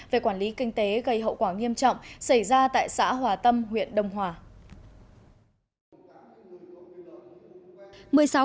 về quản lý kinh tế gây hậu quả nghiêm trọng xảy ra tại xã hòa tâm huyện đông hòa